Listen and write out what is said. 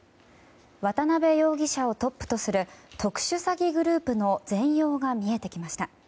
渡邉容疑者をトップとする特殊詐欺グループの全容が見えてきました。